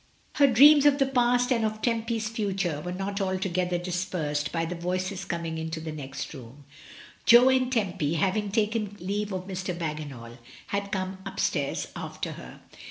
Her dreams of the past and of Tempy's fiiture SUSANNA'S CORRESPONDENCE. II3 were not altogether dispersed by the voices coming into the next room. Jo and Tempy, having taken leave of Mr. Bagginal, had come upstairs after her.